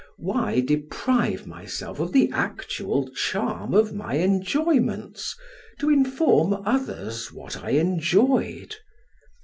Why deprive myself of the actual charm of my enjoyments to inform others what I enjoyed?